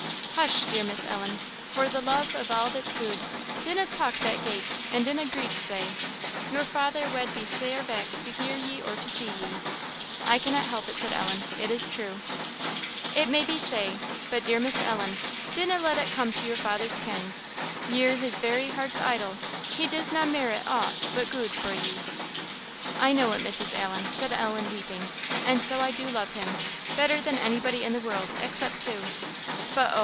"Hush, dear Miss Ellen! for the love of a' that's gude; dinna talk that gate, and dinna greet sae! your father wad be sair vexed to hear ye or to see ye." "I cannot help it," said Ellen; "it is true." "It may be sae; but dear Miss Ellen, dinna let it come to your father's ken; ye're his very heart's idol; he disna merit ought but gude frae ye." "I know it, Mrs. Allen," said Ellen, weeping, "and so I do love him better than anybody in the world, except two. But oh!